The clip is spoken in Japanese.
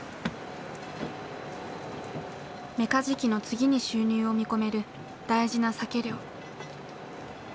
メカジキの次に収入を見込める大事なサケ漁。